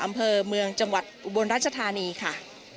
อำเภอเมืองจังหวัดอุบลรัชธานีค่ะ